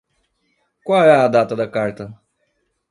Qual é a data da carta?